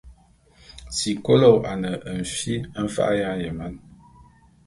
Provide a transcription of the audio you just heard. Sikolo ane fi mfa’a ya nyeman.